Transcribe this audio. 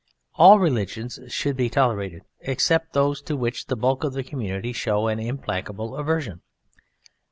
All Religions should be tolerated except those to which the bulk of the community show an implacable aversion.